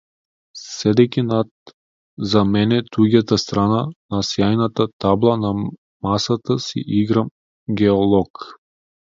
Седејќи над за мене туѓата страна на сјајната табла на масата си играм геолог.